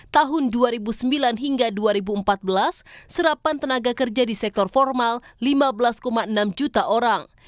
tahun dua ribu sembilan hingga dua ribu empat belas serapan tenaga kerja di sektor formal lima belas enam juta orang